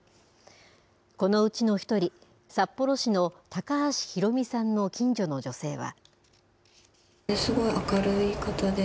このうちの１人、札幌市の高橋裕美さんの近所の女性は。